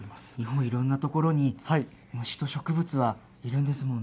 いろんな所に虫と植物はいるんですもんね。